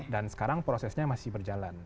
dan sekarang prosesnya masih berjalan